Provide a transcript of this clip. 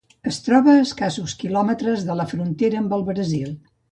Es troba a escassos quilòmetres de la frontera amb el Brasil.